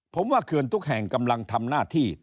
ผมว่าเขื่อนทุกแห่งกำลังทำหน้าที่